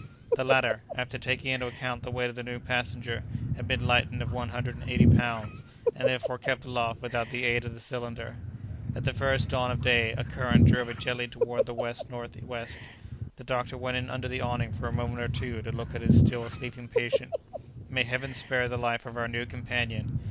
The latter, after taking into account the weight of the new passenger, had been lightened of one hundred and eighty pounds, and therefore kept aloft without the aid of the cylinder. At the first dawn of day, a current drove it gently toward the west northwest. The doctor went in under the awning for a moment or two, to look at his still sleeping patient. "May Heaven spare the life of our new companion!